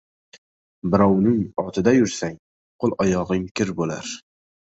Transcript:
• Birovning otida yursang qo‘l-oyog‘ing kir bo‘lar.